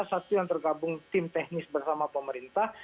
satu yang tergabung tim teknis bersama pemerintah